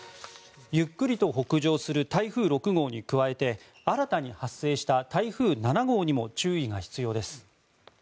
ゆっくりと北上する台風６号に加えて新たに発生した台風７号にも注意が必要です。